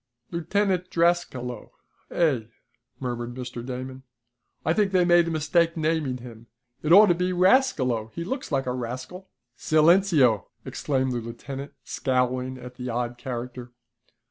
"Lieutenant Drascalo, eh?" murmured Mr. Damon. "I think they made a mistake naming him. It ought to be Rascalo. He looks like a rascal." "Silenceo!" exclaimed the lieutenant, scowling at the odd character.